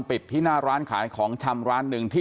ปิดที่หน้าร้านขายของชำร้านหนึ่งที่